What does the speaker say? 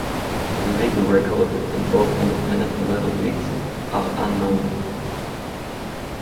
League records in both Independent level leagues are unknown.